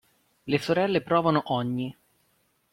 Le sorelle provano ogni.